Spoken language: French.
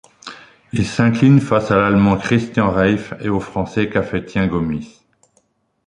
Il s'incline face à l'Allemand Christian Reif et au Français Kafétien Gomis.